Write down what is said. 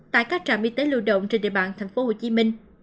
tại các trạm y tế lưu động trên địa bàn tp hcm